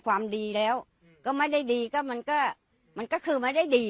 ความดีแล้วก็ไม่ได้ดีก็มันก็มันก็คือไม่ได้ดี